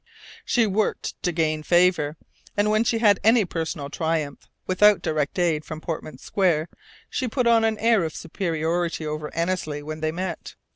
She worked to gain favour, and when she had any personal triumph without direct aid from Portman Square, she put on an air of superiority over Annesley when they met.